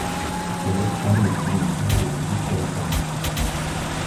The most common is blue, made with blue corn kernels.